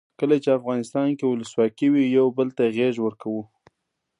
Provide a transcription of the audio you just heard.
کله چې افغانستان کې ولسواکي وي یو بل ته غیږ ورکوو.